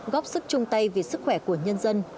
góp sức chung tay vì sức khỏe của nhân dân